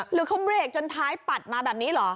หรือเค้าเรียกจนท้ายปัดมาแบบนี้หรือ